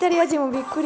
びっくり。